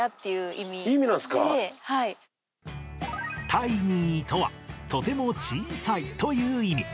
タイニーとはとても小さいという意味